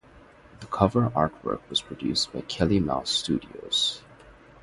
The cover artwork was produced by Kelley-Mouse Studios.